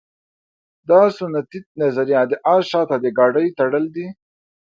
دا سنتي نظریه د اس شاته د ګاډۍ تړل دي.